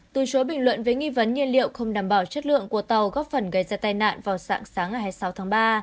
từ chối bình luận về nghi vấn nhiên liệu không đảm bảo chất lượng của tàu góp phần gây ra tai nạn vào sáng sáng ngày hai mươi sáu tháng ba